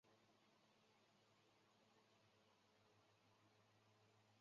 黄花蔺为花蔺科黄花蔺属下的一个种。